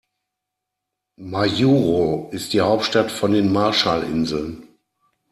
Majuro ist die Hauptstadt von den Marshallinseln.